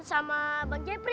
sama bang jepri